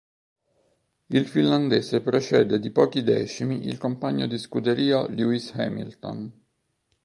Il finlandese precede di pochi decimi il compagno di scuderia Lewis Hamilton.